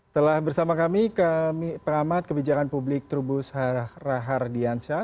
telah bersama kami pengamat kebijakan publik trubus rahar diansyah